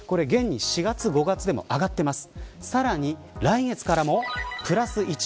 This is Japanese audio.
４月、５月でも上がっています。